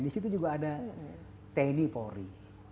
di situ juga ada tani pohri